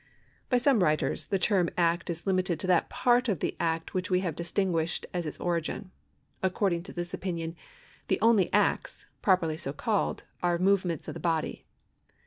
By some writers the term act is limited to that part of the act which we have distinguished as its origin. According to this opinion the only acts, properly so called, are move ments of the body.